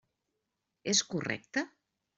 És correcte?